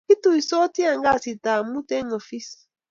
kituisotii en kazit ab muut en ofis